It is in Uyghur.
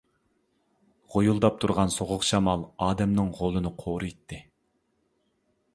غۇيۇلداپ تۇرغان سوغۇق شامال ئادەمنىڭ غولىنى قورۇيتتى.